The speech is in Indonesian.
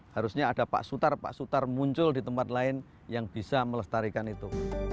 harusnya ada pak sutar pak sutar muncul di tempat lain yang bisa melestarikan itu